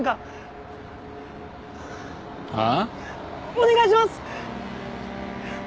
お願いします！